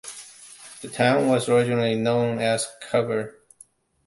The town was originally known as Cover.